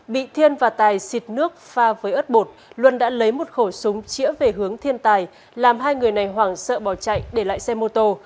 bị thiên và tài xịt nước pha với ớt bột luân đã lấy một khẩu súng chĩa về hướng thiên tài làm hai người này hoảng sợ bỏ chạy để lại xe mô tô